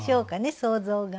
想像が。